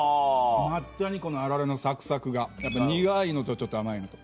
抹茶にこのあられのサクサクが苦いのとちょっと甘いのと。